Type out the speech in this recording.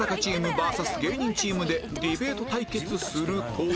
ＶＳ 芸人チームでディベート対決すると